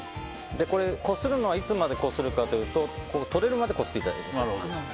こするのはいつまでこするのかというととれるまで、こすってください。